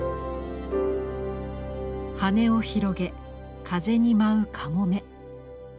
羽を広げ風に舞うカモメ。